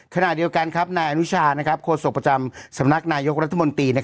ขณะเดียวกันครับนายอนุชาโฆษกประจำสำนักนายกรัฐมนตรี